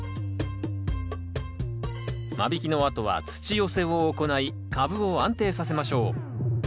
間引きのあとは土寄せを行い株を安定させましょう。